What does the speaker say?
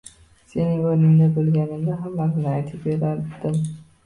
Sening o'rningda bo'lganimda, hammasini aytib berar edim.